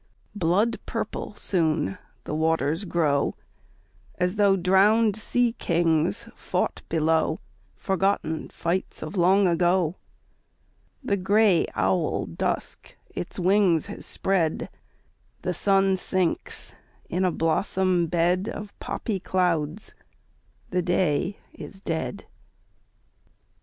Blood purple soon the waters grow, As though drowned sea kings fought below Forgotten fights of long ago. The gray owl Dusk its wings has spread ; The sun sinks in a blossom bed Of poppy clouds ; the day is dead.